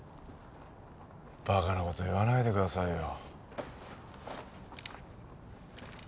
バカなこと言わないでくださいよ